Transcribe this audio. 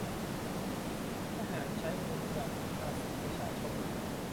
ทหารใช้เงินจากภาษีประชาชน